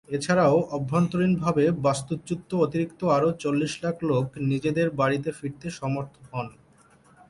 এছাড়াও অভ্যন্তরীণভাবে বাস্তুচ্যুত অতিরিক্ত আরও চল্লিশ লাখ লোক নিজেদের বাড়িতে ফিরতে সমর্থ হন।